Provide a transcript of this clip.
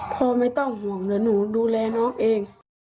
พ่อไม่ต้องห่วงเดี๋ยวหนูดูแลน้องเอง